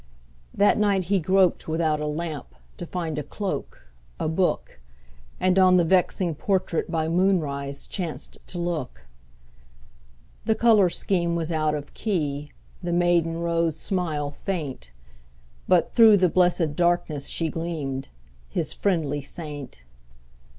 That night he groped without a lamp To find a cloak, a book, And on the vexing portrait By moonrise chanced to look. The color scheme was out of key, The maiden rose smile faint, But through the blessed darkness She gleamed, his friendly saint.